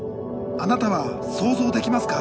あなたは想像できますか？